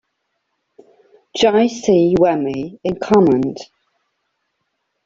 G. C. Remey in command.